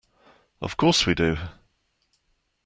Of course we do.